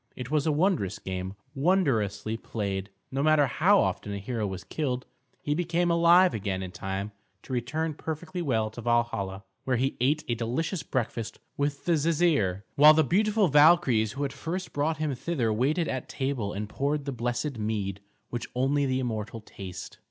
It was a wondrous game, wondrously played. No matter how often a hero was killed, he became alive again in time to return perfectly well to Valhalla, where he ate a delicious breakfast with the Jisir; while the beautiful Valkyries who had first brought him thither waited at table and poured the blessed mead, which only the immortal taste.